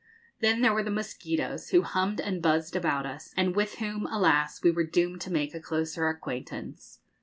Then there were the mosquitoes, who hummed and buzzed about us, and with whom, alas! we were doomed to make a closer acquaintance.